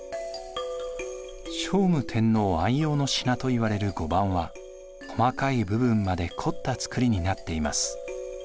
聖武天皇愛用の品といわれる碁盤は細かい部分まで凝った作りになっています。